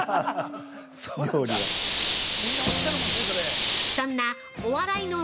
◆そんな、お笑い